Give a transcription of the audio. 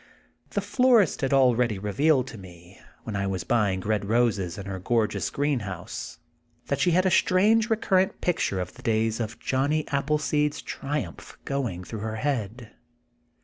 The florist had already revealed to me, when I was buying red roses in her gorgeous green house, that she had a strange recurrent pic ture of the days of Johnny Appleseed's tri umph going through her head.